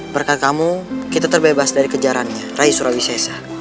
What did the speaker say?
berkat kamu kita terbebas dari kejarannya rai surawi sesa